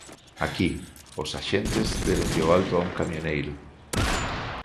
Aquí, os axentes déronlle o alto a un camioneiro.